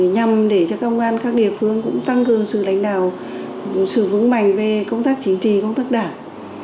nhằm để cho công an các địa phương cũng tăng cường sự lãnh đạo sự vững mạnh về công tác chính trị công tác đảng